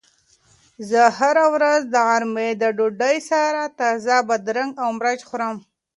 زه هره ورځ د غرمې د ډوډۍ سره تازه بادرنګ او مرچ خورم.